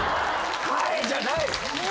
「はい！」じゃない！